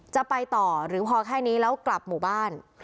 จะไปต่อหรือพอแค่นี้แล้วกลับหมู่บ้าน